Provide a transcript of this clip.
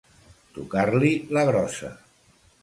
Tocar-li la grossa.